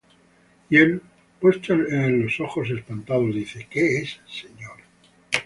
Y él, puestos en él los ojos, espantado, dijo: ¿Qué es, Señor?